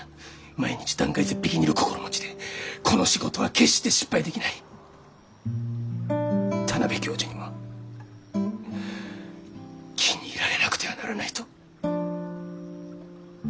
毎日断崖絶壁にいる心持ちでこの仕事は決して失敗できない田邊教授にも気に入られなくてはならないと。